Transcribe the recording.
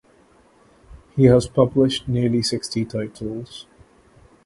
He has published nearly sixty titles.